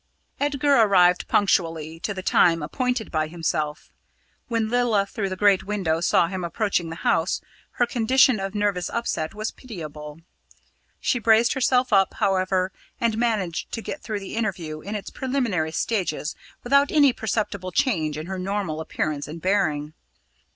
Edgar arrived punctually to the time appointed by herself. When Lilla, through the great window, saw him approaching the house, her condition of nervous upset was pitiable. She braced herself up, however, and managed to get through the interview in its preliminary stages without any perceptible change in her normal appearance and bearing.